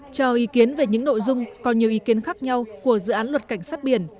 cho ý kiến về những nội dung còn nhiều ý kiến khác nhau của dự án luật cảnh sát biển